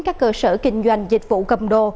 các cơ sở kinh doanh dịch vụ cầm đồ